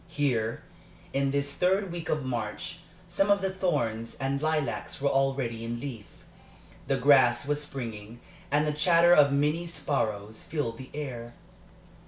Here, in this third week of March, some of the thorns and lilacs were already in leaf. The grass was springing, and the chatter of many sparrows filled the air.